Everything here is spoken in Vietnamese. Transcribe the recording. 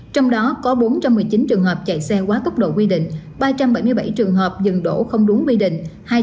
trong đó có bốn trăm một mươi chín trường hợp chạy xe quá tốc độ quy định ba trăm bảy mươi bảy trường hợp dừng đổ không đúng quy định